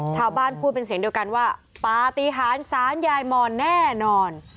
ชาวบ้านพูดเป็นเสียงเดียวกันว่าปฏิหารสารยายมอนแน่นอน